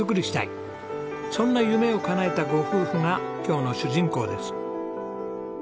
そんな夢をかなえたご夫婦が今日の主人公です。